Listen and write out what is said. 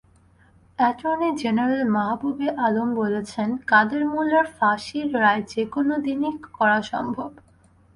Attorney general Mahbubey Alam বলেছেন, কাদের মোল্লার ফাঁসির রায় যেকোনো দিনই করা সম্ভব।